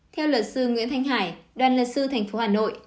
theo luật sư nguyễn thanh hải đoàn luật sư tp hà nội